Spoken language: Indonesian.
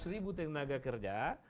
tiga ratus ribu tenaga kerja